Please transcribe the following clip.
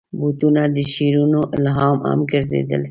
بوټونه د شعرونو الهام هم ګرځېدلي.